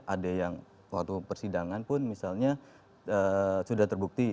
ada yang waktu persidangan pun misalnya sudah terbukti